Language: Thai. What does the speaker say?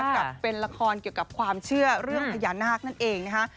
กับเป็นละครเกี่ยวกับความเชื่อเรื่องพญานาคนั่นเองนะคะ